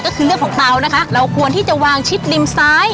ก็คือเรื่องของเตานะคะเราควรที่จะวางชิดริมซ้าย